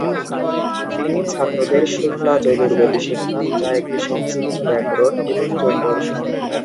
তিনি ছাত্রদের শুক্লা-যজুর্বেদ শেখান, যা একটি সংস্কৃত ব্যাকরণ এবং যোগ দর্শন।